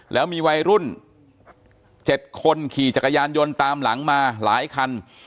แล้วมีวัยรุ่น๗คนขี่จักรยานยนต์ตามหลังมาหลายคัน